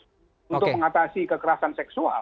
untuk mengatasi kekerasan seksual